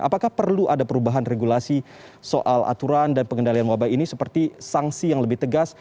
apakah perlu ada perubahan regulasi soal aturan dan pengendalian wabah ini seperti sanksi yang lebih tegas